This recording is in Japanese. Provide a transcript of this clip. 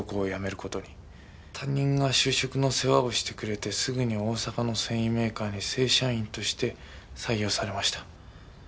担任が就職の世話をしてくれてすぐに大阪の繊維メーカーに正社員として採用されました。